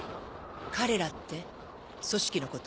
彼らって「組織」のこと？